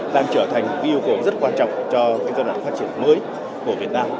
đang trở thành một cái yêu cầu rất quan trọng cho cái giai đoạn phát triển mới của việt nam